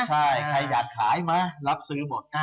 ใช่ใครอยากขายมารับซื้อหมด